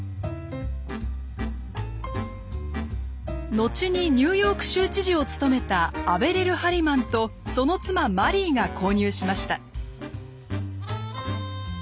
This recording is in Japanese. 後にニューヨーク州知事を務めたアヴェレル・ハリマンとその妻マリーが購入しました。